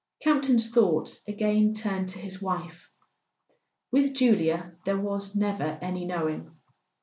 Campton's thoughts again turned to his wife. With Julia there was never any knowing.